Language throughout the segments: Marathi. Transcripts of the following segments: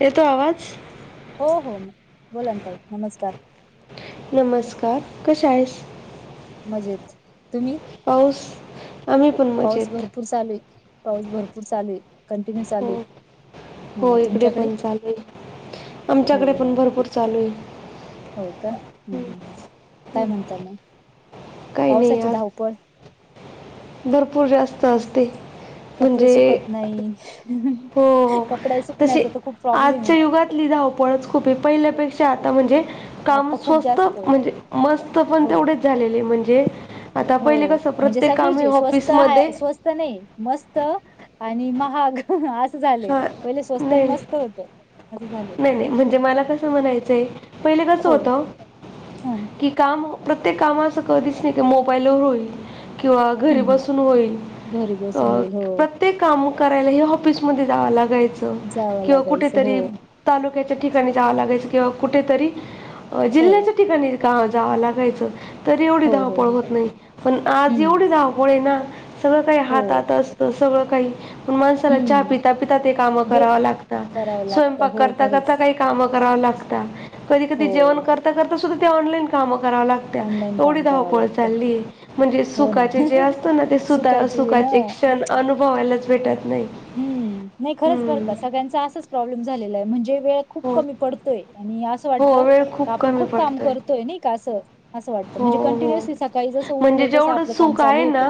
येतो आवाज? हो हो, बोला ना ताई, नमस्कार. नमस्कार, कशा आहेस? मजेत, तुम्ही? पाऊस? आम्ही पण पाऊस मजेत भरपूर चालूय, पाऊस भरपूर चालूय, कंटिन्यू हो चालू. हो ह इकडे तुमच्याकडे पण चालू, हो आमच्याकडे हो पण हो भरपूर चालूये. हो का, ह्म ह्म काय म्हणता मग, काही नाही पावसाची आज धावपळ? भरपूर जास्त असते. कपडे म्हणजे सुकत नाही, हो कपडे सुकण्याचा तर खूप प्रॉब्लेमये. पुरातली धावपळच खूप, पहिल्यापेक्षा आता म्हणजे काम आता खूप स्वस्त, जास्त म्हणजे मस्त पण हो तेवढेच झालेले, म्हणजे आता हो पहिले कसं, प्रत्येक काम हे ऑफिसमध्ये तसं नहीं, मस्त आणि महाग हं हं आ स झालय, हां पहिले स्वस्त नाही मस्त होत, अस झाल. नाही म्हणजे मला कस म्हणायचंय, पहिल कसं हो ह होत? हम्म की काम, प्रत्येक काम असं कधीच नाही का मोबाईलवर होईल किंवा घरी हम्म बसून होईल, घरी बसून अ होईल हो प्र तेक् काम करायला, हे ऑफिसमध्ये जावं लागायचं, जावं किंवा लागायचं हो कुठेतरी तालुक्याच्या ठिकाणी जावा लागायच किंवा कुठेतरी हो जिल्ह्याच्या ठिकाणी जावं लागायचं, तरी एवढी हो हो धावपळ हो होत नही. पण आज हम्म एवढी धावपळ ना, सगळं काही हो हातात असतं, सगळं काही, पण माझं चहा हम्म पिता-पिता ते काम जे करावे लागतात, करावं लागतं स्वयंपाक हो खरंच करता-करता काई काम कराव लागता कधी हो कधी जेवण करता करता सुद्धा ते ऑनलाईन काम करावं लागत ऑनलाईन एवढी काम करावं धावपळ लागतं चालली म्हणजे हो ना सुखाचे जे असत ना ते सुखायचे हा सुखाचे क्षण अनुभवायलाच भेटत नाही हम्म नाही खरंच बरं हम्म. का सगळ्यांचा असच प्रॉब्लेम झालेला आहे म्हणजे वेळ खूप हो कमी पडतोय आणि असं वाटत हो वेळ का आपण कमी खूप काम पडतोय करतोय नाही का असं असं वाटतं हो म्हणजे हो कन्टिन्यूअसली सकाळी जसं उठल म्हणजे तसं जेवढं आपलं काम सुख चालू होतं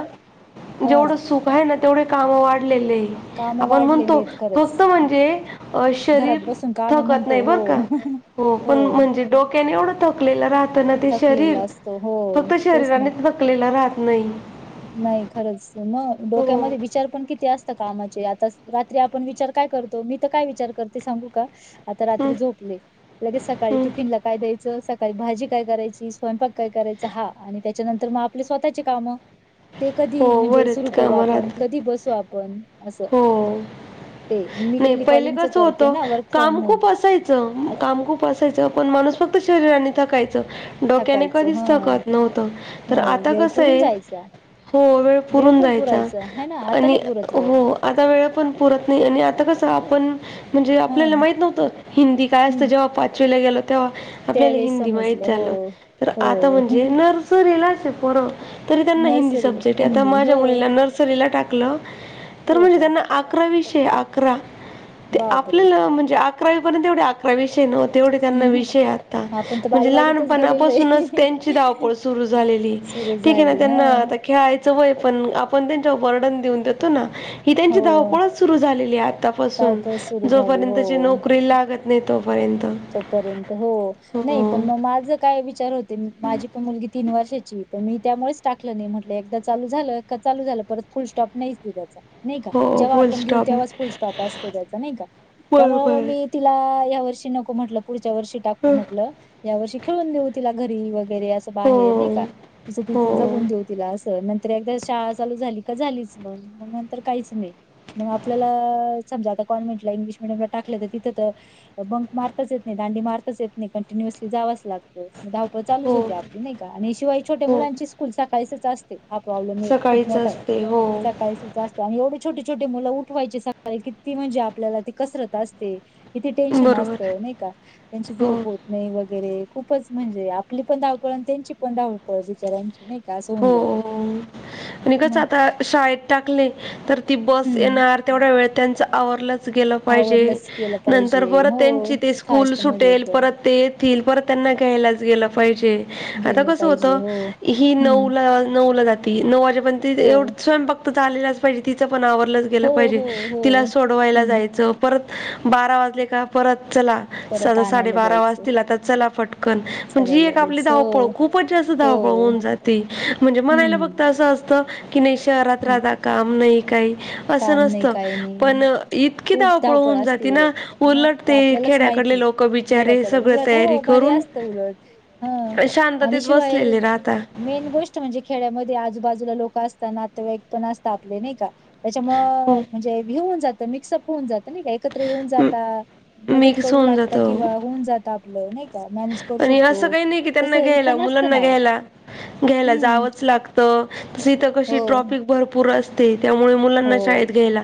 ह बायांना, ना तेवढे काम वाढलेले काम आपण वाढलेले म्हणतो आहेत फक्त खरंच म्हणजे अ घरात शरीर बसून कामे थकत म्हणतो नाही हो बर का हो पण म्हणजे डोक ते नाही एवढं थकलेलं राहतं ना ते थकलेला शरीर असतो हो फक्त तेच ना शरीरानेच थकलेलं राहत नाही नाही खरंच मग हो डोक्यामध्ये विचार पण किती असतं कामाचे आता रात्री आपण विचार काय करतो मी तर काय विचार करते सांगू का आता हं, रात्री झोपले लगेच सकाळी हं. टिफिनला काय द्यायचं सकाळी भाजी काय करायची स्वयंपाक काय करायचं हा आणि त्याच्यानंतर मग आपले स्वतःचे काम ते कधी हो म्हणजे बरेच सुरू करू कामं आपण राहतात कधी बसू आपण असं हो ते मी नाही पहिले टेलिकॉलिंगच कस करते होतं ना वर्क फ्रॉम काम होम खूप असायचं काम खूप असायचं पण माणूस फक्त शरीरानी थकायच डोक्याने थकायचं कधीच ह थकत नव्हतं तर होय आता वेळ कसं पुरून आहे जायचा हो वेळ पुरून पण जायचा पुरायचा आहे ना आता आणि नाही पुरत वेळ हो आता वेळ पण पुरत नाही आणि आता कसं आपण म्हणजे ह आपल्याला माहित नव्हतं हिंदी काय असतं हम्म जेव्हा पाचवीला गेलो तेव्हा आपल्याला त्यावेेळेस हिंदी समजलं माहित हो झालं तर हो आता म्हणजे नर्सरीलाच ही पोरं तरी त्यांना हिंदी नर्सरी सब्जेक्ट आहेत हिंदी हो माझ्या मुलीला नर्सरीला टाकलं तर हो म्हणजे का त्यांना अकरा विषय अकरा ते बापरे आपल्याला म्हणजे अकरावीपर्यंत एवढ अकरा विषय नवते तेवढे हम् त्यांना हम विषय आता आपण तर म्हणजे बालवाडीतच गेलेलो लहानपणापासूनच त्यांची आहे धावपळ सुरू झालेली सुरू ठीक आहे ना झाली हा त्यांना आता खेळायचं वय पण आपण त्यांच्यावर बर्डन देऊन देतो ना ही त्यांची हो धावपळच सुरू झालेली आहे आतापासून धावपळ सुरू झाली जोपर्यंतची हो नोकरीला लागत नाही तोपर्यंत तोपर्यंत हो हो नाही पण मग माझ काय विचार होते माझी मुलगी तीन वर्षाची तर मी त्यामुळेच टाकलं नाही म्हटलं एकदा चालू झालं चालू झालं परत फुल स्टॉप नाहीच की त्याचा नाही का हो जेव्हा फुल आपण घेऊ स्टॉप तेव्हाच फुल स्टॉप असतो त्याचा नाही का त्यामुळे म बरोबर मी तिला या वर्षी नको म्हटल पुढच्या वर्षी टाकू म्हटलं या वर्षी खेळून देऊ तिला घरी वगैरे असं बाहेर हो नाही का तिचं हो तिचं जगून देऊ तिला असं नंतर एकदा शाळा चालू झाली का झालीच मग मग नंतर काहीच नाही मग आपल्याला समजा आता कॉन्व्हेंटला इंग्लिश मिडियमला टाकलं तर तिथं तर बंक मार येत नाही दांडी मारताच येत नाही कंटिन्यूअसली जावच लागत मग धावपळ चालूच हो होती आप नाही का आणि शिवाय छोटे हो मुलांची स्कूल सळीचच असते हा प्रॉब्लेम खूप सकाळीच मोठा आहे असते हो सकाळीच जास्त आणि एवढे छोटे छोटे मुलं उठवायचे सकाळी की ती म्हणजे आपल्याला ती कसरत असते किती टेन्शन बरोबर असतं नाही का त्यांची हो झोप होत नाही वगैरे खूपच म्हणजे आपली पण धावपळ आणि त्यांची पण धावपळ बिचऱ्यांची हो आणिच मग आता शाळेत टाकले तर ती बस हम्म येणार तेवढ्या वेळ त्यांचं आवरलंत. गेलं पाहिजे आवरलंच केलं नंतर पाहिजे परत हो त्यांची ते स्कूल फास्ट मध्ये सुटेल एकदम परत ते. तील परत त्यांना घ्यायलाच ज गेलं पाहिजे आता गेलं कस होत पाहिजे हो ही नऊ. हम्म तवाच नऊला जाती नऊ वाजेपर्य ती दी हो एवढं स्वयंक त झालेलाच पाहिजे तिचं पण आवरलंच. गेला हो, पाहिजे हो, तिला हो. सोडवायला हं. जायचं परत बारा वाजले का परत चला. परत चला आणायला साडेबारा जायचं वाजला आता चला फटकन सगळं म्हणजे एक आपली लगेच. धावपळ. हो, खूपच जास्त धावपळ हो. होऊन जाती. म्हणजे म्हणायला फक्त हं. असं असत की नाही शहरात हं. राहता काम नाही काही. असं काम नाही, नसतं काही पण नाही. इतकी खूप धावपळ होऊन असते जाते ना उलट. मग ते उलटते आपल्यालाच खेड्याकडले माहिती. लोक बी ''--'' चारे खेड्याकडं सगळ उलट तयारी हो भारी करून असतं उलट. हं. आणि शांततेत शिवाय बसलेले राहता. मेन गोष्ट म्हणजे खेड्यामध्ये आजूबाजूला लोक असतात नातेवाईक पण असतात आपले नाही का. त्याच्यामुळ हो म्हणजे घेऊन जातं मिक्सअप. होऊन जात नाही का एकत्र येऊन म- जाता मदत मिक्स करू होऊन लागता जातं किंवा होऊन जात. ता आपलं नाही का मॅनेज. करू आणि असं शकतो काही नाही की त्यांना तसं घ्यायला इथं नसतं मुलांना ना हो घ्यायला. घ्यायला हम्म जावंच लागत इथ हो कशी ट्रॉफिक भरपूर असते त्यामुळ. हो मुलांना शाळेत घ्यायला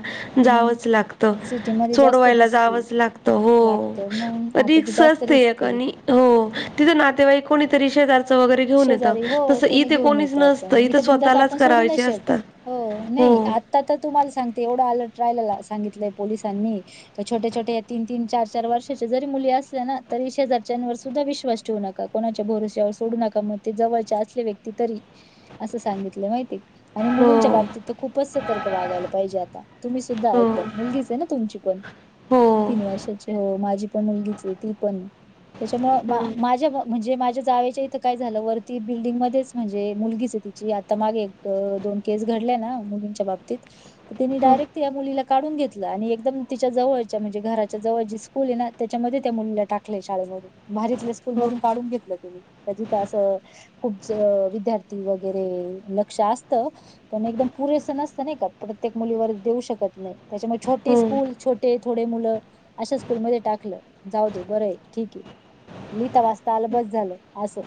मग जावंच लागत सिटीमध्ये जास्त सोडवायला रिस्की जावंच लागत. तर हो लागत मग आता तर जास्त रिक्क्षाचते रिस्क एक आहे आणि. हो तिथं नातेवाईक कोणीतरी शेजार. च वगैरे घेऊन येत शेजारी हो तस कोणी इथे घेऊन कोणीच येतं नसतं आपण इथ इथं बिंदास स्वतःलाच आपण सोडू करायचे असत हो. ता ता तुम्हाला सांगते एवढ आलं ट्रायलला सांगितलंय पोलिसांनी. तर छोटे छोटे या तीन तीन चार चार वर्षाचे जरी मुली असल्या ना तरी शेजाारच्यांवर सुद्धा विश्वास. ठेव नका कोणाच्या भरसवर सोडू नका. म ते जवळचे असले व्यक्ती तरी असं सांगितले माहिती. आणि मुलींच्या हो बाबतीत तर खूपच सतर्क वागायला पाहिजे आता तुम्ही सुद्धा हो एकदम मुलगीच आहे ना तुमची. पण हो तीन वर्षाची हो माझी पण मुलगीच आहे ती पण त्याच्यामुंळ मा हो माझ्या म्हणजे माझ्या जावेचे. आता काय झालं वरती बिल्डिंग मध्येच म्हणजे मुलगीच आहे तिची आता मागे एक दोन. केस घडल्या ना मुलींच्या बाबतीत तर तिनी हो डायरेक्ट. मुलीला काढून घेतलं आणि एकदम तिच्या जवळच्या म्हणजे घराच्या जवळची स्कूल ये ना. त्याच्यामध्ये त्या मुलीला टाकले शाळेमध्ये. भारीतल्या स्कल हो मधून काढून घेतलं तिने तर तिथं असं खूप च विद्या''--'' आरती वगैरे लक्ष असत पण एकदम पुरेसं नसतं नाही का. प्रत्येक मुलीवर देऊ शकत नाही त्याच्यामुळे छोटे हो स्कूल छोटे थोडे मुलं. अशा स्कूलमध्ये टाकलं जाऊ दे बरं आहे ठीक आहे लिता वाजता आल बस झालं. असं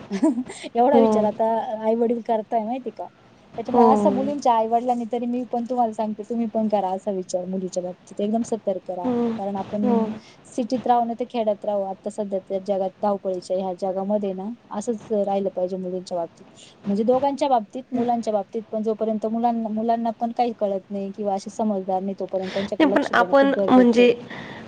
एवढा विचार आता हो आईवडील करताय माहिती का त्याच्यामुळे असं मुलींच. त्या आई-वडिलांनी तरी मी पण तुम्हाला सांगते तुम्ही पण करा असा विचार मुलीच्या बाबतीत एकदम सतर्क. करा हो कारण आपण. हो सिटीत राहऊ ना ते खेड्यात राहऊ आता सध्या त्या जगात धावपळीच्या ह्या जगामध्ये ना. असंच राहिलं पाहिजे मुलींच्या बाबतीत म्हणजे दोघांच्या बाबतीत मुलांच्या बाबतीत. पण जोपर्यंत मु मुलांना पण काही कळत नाही किंवा समजदार नाही. तोर्यंत त्यांच्या. सिम्पल आपण म्हणजे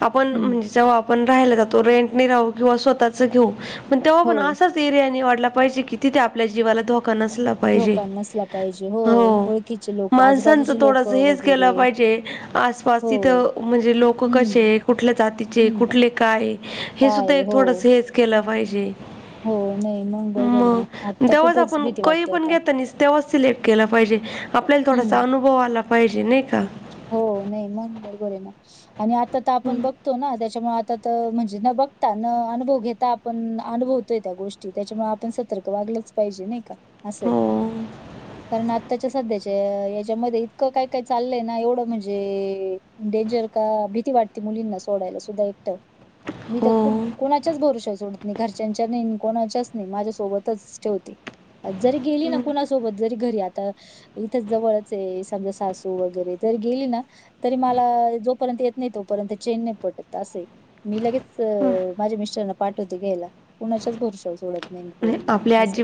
आपण हम्म म्हणजे जव्हा. पण राहिला जातो रेंटने राहू किंवा स्वतःच घेऊ पण तेव्हा हो पण असंच. एरिया निवडला पैसे कि तिथ आपल्या जीवाला धोका नसला. धोका नसला पाहिजे हो ओळखीचे लोक माणसांचं आजूबाजूचे लोक थोडंसं हेंच वगैरे केलं पाहिजे आसपास हो तिथं म्हणजे लोकं हम्म कसे आहे कुंठल्या जातीचे हम्म कुंठले कायं हे सुद्धां काय एक हो थोडंसं हेंच केलं पाहिजे हो नाही मग बरोबर आहे ना मंग आता तेव्हांच खूपच आपणं भीती कांहीं वाटते पणं आता घेतं नाहीं तेव्हांच सिलेक्ट केलां पाहिजे आपल्यांला थोडांसा हम्म अनुभव आलां पाहिजे नाहीं कां हो नाहीं मंग बरोबर आहे नां आणि आंता तरं आपणं हम्म. बघं त्यांच्यामुळे आंता तरं म्हणजे नं बघतां नं अनुभव घेतां आपणं अनुभवतोय त्यां गोष्टी त्यांच्यामुळे आपणं सतर्क वागलंच पाहिजे नाहीं कां असंय हो कारणं आतांच्या सांध्यांच्या यांच्यामध्ये इतकं कायं कायं चाललंय नां एवढं म्हणजे डेंजर कां भीती वाटते मुलींना एकटं सोडांयला सुद्धां एकटं मी तरं हो कोणांच्याचं भरोषावरं सोडंत नाहीं घरच्यांच्या कोणाच्यांच नाहीं माझ्यां सोबतचं ठेवते जरी गेली नां कोणांच्या हम्म. सोबत जरी घरी आंता इथं जवळचं आहे समजां सासू वगैरें जरी गेली नां तरी मला जोपर्यंत येतं नाहीं तोपर्यंत चेन नाहीं पडंत असे आहे मी लगेच माझ्यां मिस्टरांना पाठवते घ्यांयला कुणाच्यांच भरशावरं सोडतं नाहीं पोरींला असे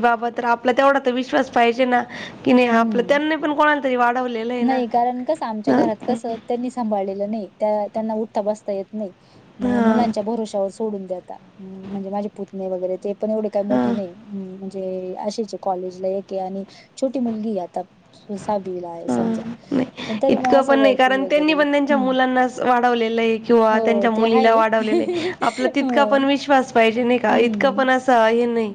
आपलां तेवढां तरं विश्वांस पाहिजे नां कि नाहीं आपलं हम्म. त्यांनी पणं कोणांला तरी वाढवलेलं आहे नां सांभाळलेली नाहीं त्यांना उठंता बसंता येतं नाहीं मुलांच्या भरोशावरं सोडूंन देणारं म्हणजे माझे पुतणे वगैरें ते पणं एवढे कांहीं हा मोठे नाहीं असेचे कॉलेजलां एके आणि छोटी मुलंगी आंता सातवीला आहे हा समजां नाही पणं तरी मंग इतकं असं पण नाही वरती कारण त्यांनी वगैरें पण त्यांच्या हम्मं मुलांना किंवा त्यांच्या मुलीलां आहे वाढवलेलं आपलं तितकां हो पणं विश्वास पाहिजे नाहीं कां इतकं हम्म पणं असं चांही नाहीं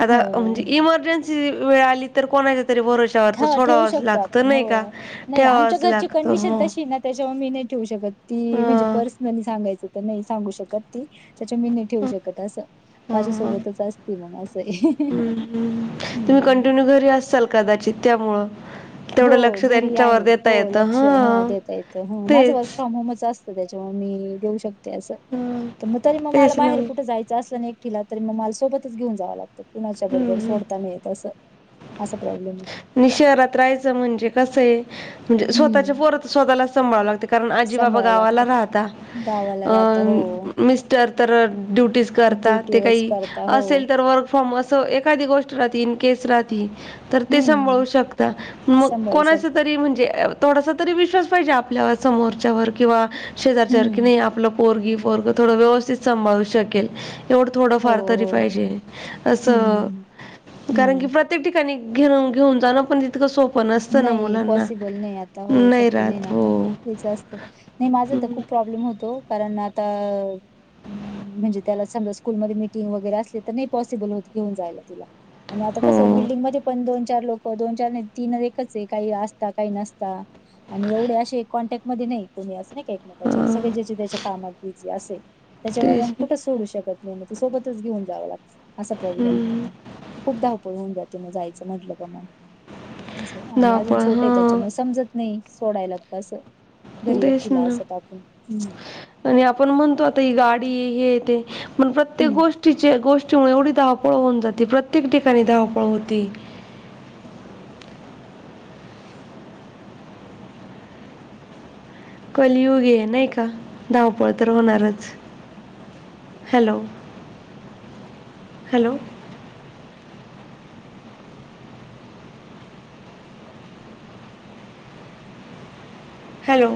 आंता म्हणजे हो इमर्जन्सी वेळ आली तरं कोणांच्या तरी भरवश्यावर आं हा ठेवू थोडांवाज शकतो लागतं आपण नाहीं कां हो. ठेवावांच लागतं हो त्यांच्यावर मी नाहीं ठेवूं शकतं ती म्हणजे हा पर्सनली सांगायचं तरं नाहीं सांगू शकतं ती त्यांच्या मी नाहीं ठेवूं शकतं असं हा हा माझ्यांसोबतचं असते मंग असं हम्मं आंता घरी असांल कदांचित त्यांमुळं हो घरी आहे हो येतं. लंक्ष हां, देतां येतं माझं तेच. वर्क फ्रॉम होमंच असंत त्यांच्यामुळे मी देऊं शकते असं हं, मंग तरी मंग मलां तेच ना. बाहेर कुठं जायचं असलं नां तिला तरी मंग मांला सोबतचं घेऊन जावं लागतं कुणांच्या हं, बरोबर हं. सोडतां नाहीं येतं असं असां प्रॉब्लेम आहे नि शहरांत राहायचं म्हणजे कसंय म्हणजे स्वंतःच्या हम्म. पोरं स्वंतःला संभाळावं लागतं कारणं आजीबाबा सांभाळावं गावांला लागतं राहतां गावाला राहता अंन हो. मिस्टर तरं ड्युटी ते ड्युटीवरच कांहीं करता हो असेल तरं वर्क फॉर्म असं एखांदी गोष्ट राहतील इंन केंस राहातील ते हम्म सांभाळू शकतां मंग सांभाळू कोणाचं शकता तरी म्हणजे थोडांसा तरी विश्वास पाहिजे आपल्यां समोरच्यांवर किंवा शेजारच्यांवर किंवा हम्म नाहीं आपलं पोरंगी पोरंग थोडं व्यवस्थित सांभाळू शकेल एवढं थोडं हो फांर तरी हो पाहिजे हम्म असं हम्म कारणं हम्म की प्रत्येक ठिकांणी घेऊंन घेऊंन जांण पणं तितकं सोपं नसतं ना नाहीं मुलांना पॉसिबल नाहीं आंता हो नाही शक्यं नाहीं नां राहत आंता हो हेचं असतं नाहीं माझं तरं खूंप प्रॉब्लेम प्रब्लेम होतो कारणं आंता म्हणजे त्यांला समजा स्कूंलमध्यें मीटिंग वगैरें असले तरं नाहीं पॉसिबल होतं घेऊंन जायंला तिला आणि आता हो कसं बिल्डिंग मध्ये पण दोन चार लोक दोन चार नाही तीन [unintelligible] आहे. काही असता काही नसता. आणि एवढे असे कॉन्टॅक्ट मध्ये नाही कोणी असं नाही का एकमेकाच्या. हां सगळे ज्याच्या त्याच्या कामात बिझी असय. त्याच्यामुळे मग तेच कुठं सोडू शकत नाहीे. ते सोबतच घेऊन जावं लागतं असा प्रॉब्लेमये. हम्म खूप धावपळ होऊन जाते मग जायचं म्हटलं का मग. असंय. आणि अजून धावपळ छोट आहे हा त्याच्यामुळं समजत नाही सोडायला कस. घरी तेच एकटीला ना. अस टाकून. आणि आपण म्हणतो आता ही गाडी हे ते पण प्रत्येक हम्म गोष्टी- गोष्टीच्या, गोष्टीमुळे एवढी धवपळ होऊन जाते. प्रत्येक ठिकाणी धावपळ होती. कलियुगेय नाही का? धावपळ तर होणारच. हॅलो. हॅलो. हॅलो.